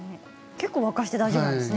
結構、沸かして大丈夫なんですね。